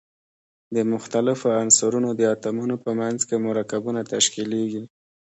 د مختلفو عنصرونو د اتومونو په منځ کې مرکبونه تشکیلیږي.